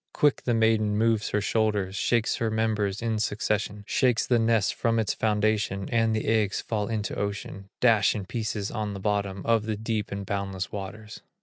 Quick the maiden moves her shoulders, Shakes her members in succession, Shakes the nest from its foundation, And the eggs fall into ocean, Dash in pieces on the bottom Of the deep and boundless waters.